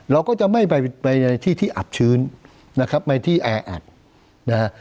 เราก็จะไม่ไปในที่ที่อับชื้นนะครับไปที่แออัดนะฮะ